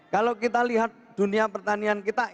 kalau kita lihat dunia pertanian kita